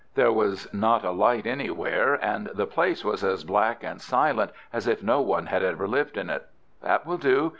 There was not a light anywhere, and the place was as black and silent as if no one had ever lived in it. "That will do.